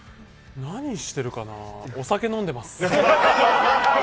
何してるかなぁ、お酒飲んでます。